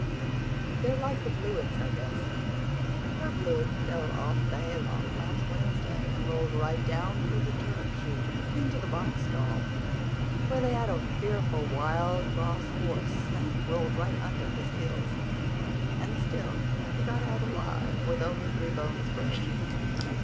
They're like the Blewetts, I guess. Herb Blewett fell off the hayloft last Wednesday, and rolled right down through the turnip chute into the box stall, where they had a fearful wild, cross horse, and rolled right under his heels. And still he got out alive, with only three bones broke.